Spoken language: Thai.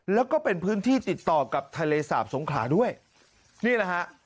แล้วก็เป็นพื้นที่ติดต่อกับทะเลสาบสงขลาด้วยนี่แหละฮะ